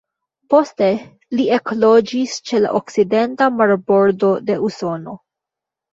Poste li ekloĝis ĉe la okcidenta marbordo de Usono.